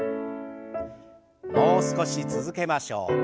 もう少し続けましょう。